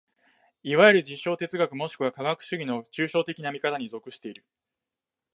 いわゆる実証哲学もしくは科学主義の抽象的な見方に属している。